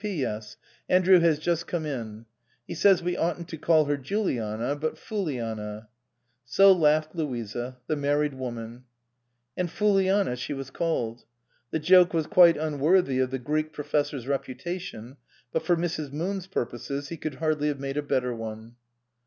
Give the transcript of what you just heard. " P.P.S. Andrew has just come in. He says we oughtn't to call her Juliana, but Fooliana." So laughed Louisa, the married woman. And Fooliana she was called. The joke was quite unworthy of the Greek Professor's reputa tion, but for Mrs. Moon's purposes he could hardly have made a better one.